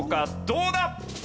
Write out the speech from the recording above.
どうだ？